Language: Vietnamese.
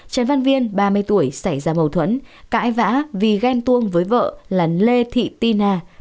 trần văn viên ba mươi tuổi xảy ra mâu thuẫn cãi vã vì ghen tuông với vợ là lê thị tina